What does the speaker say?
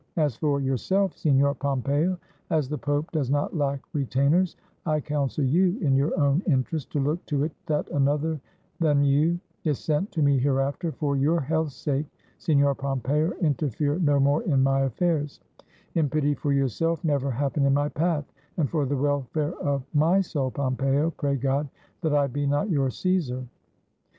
As for yourself, Signor Pompeo, as the Pope does not lack retainers, I counsel you, in your own interest, to look to it that another than you is sent to me hereafter; for your health's sake, Signor Pompeo, interfere no more in my affairs; in pity for yourself, never happen in my path, and for the welfare of my soul, Pompeo, pray God that I be not your Caesar."